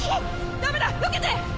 ダメだよけて！